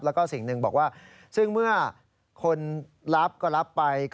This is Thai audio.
แล้วก็สิ่งหนึ่งบอกว่าซึ่งเมื่อคนรับก็รับไป